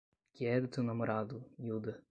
Que é do teu namorado, miúda?